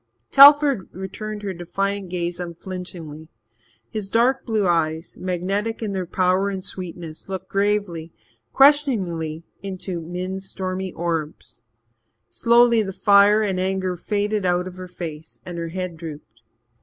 Telford returned her defiant gaze unflinchingly. His dark blue eyes, magnetic in their power and sweetness, looked gravely, questioningly, into Min's stormy orbs. Slowly the fire and anger faded out of her face and her head drooped.